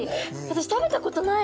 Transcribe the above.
私食べたことない。